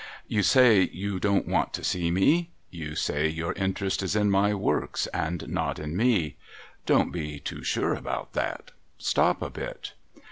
You say you don't want to see me? You say your interest is in my works, and not in me ? Don't be too sure about that. Stop a bit.